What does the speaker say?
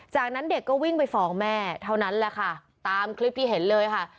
จากนั้นเด็กก็วิ่งไปฟ้องแม่เท่านั้นแหละค่ะตามคลิปที่เห็นเลยค่ะ